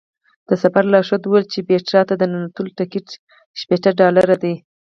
د سفر لارښود وویل چې پیترا ته د ننوتلو ټکټ شپېته ډالره دی.